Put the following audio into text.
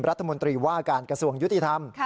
รัฐมนตรีว่าการกระทรวงยุติธรรม